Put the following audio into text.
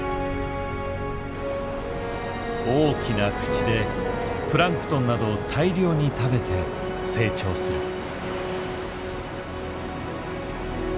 大きな口でプランクトンなどを大量に食べて成長する。